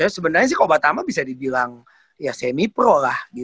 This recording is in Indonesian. sebenernya sih kobatama bisa dibilang ya semi pro lah gitu